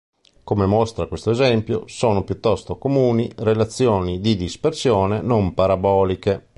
Come mostra questo esempio sono piuttosto comuni relazioni di dispersione non paraboliche.